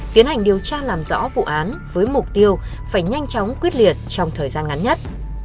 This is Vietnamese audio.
tiến hành điều tra làm rõ vụ án với mục tiêu phải nhanh chóng quyết liệt trong thời gian ngắn nhất